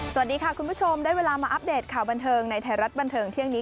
สวัสดีค่ะคุณผู้ชมได้เวลามาอัปเดตข่าวบันเทิงในไทยรัฐบันเทิงเที่ยงนี้